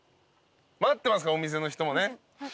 待ってますからお店の人もね。